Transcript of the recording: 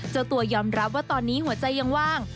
เจ้าตัวยอมรับว่าตอนนี้หัวใจยังว่าง